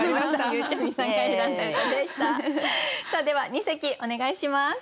では二席お願いします。